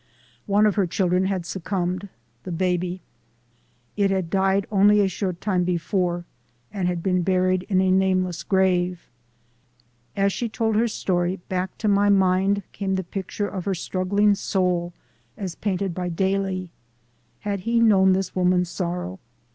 One of her children had succumbed, the baby. It had died only a short time before and had been buried in a nameless grave. As she told her story back to my mind came the picture of her struggling soul as painted by Daly. Had he known this woman's sorrow?